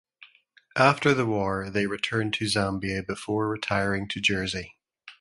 After the war they returned to Zambia before retiring to Jersey.